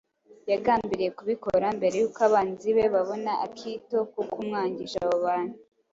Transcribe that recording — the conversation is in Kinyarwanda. Yagambiriye kubikora mbere y’uko abanzi be babona akito ku kumwangisha abo bantu